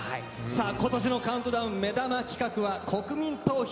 今年のカウントダウン目玉企画は国民投票！